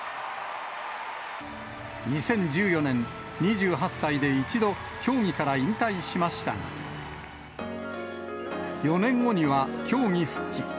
２０１４年、２８歳で一度、競技から引退しましたが、４年後には競技復帰。